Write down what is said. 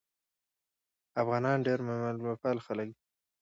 افغانان ډېر میلمه پال خلک دي.